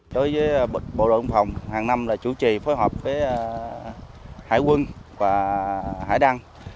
đối với bộ độ đông phòng hàng năm là chủ trì phối hợp với hải quân và hải đăng